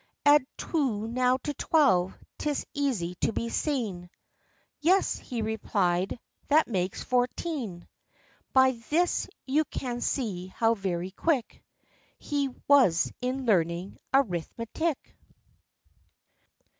"Add two now to twelve — 'tis easy to be seen." "Yes," he replied, "that makes fourteen." By this you can see how very quick He was in learning arithmetic.